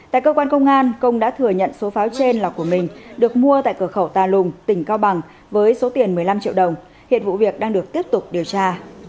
tại cơ quan công an công đã thừa nhận số pháo trên là của mình được mua tại cửa khẩu tà lùng tỉnh cao bằng với số tiền một mươi năm triệu đồng hiện vụ việc đang được tiếp tục điều tra